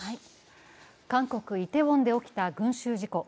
韓国・イテウォンで起きた群集事故。